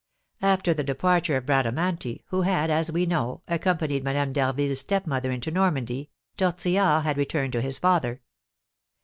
After the departure of Bradamanti, who had, as we know, accompanied Madame d'Harville's stepmother into Normandy, Tortillard had returned to his father.